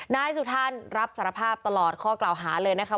นายสุธันรับสารภาพตลอดข้อกล่าวหาเลยนะคะ